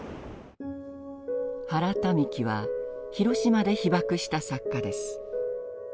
原民喜は広島で被爆した作家です。